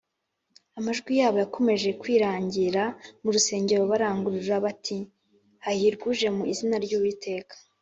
amajwi yabo yakomeje kwirangira mu rusengero barangurura bati: ‘hahirwa uje mu izina ry’uwiteka!’